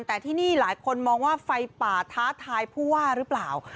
แต่ที่นี่หลายคนมองว่าไฟป่าท้าทายผู้ว่าหรือเปล่า